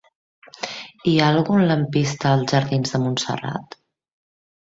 Hi ha algun lampista als jardins de Montserrat?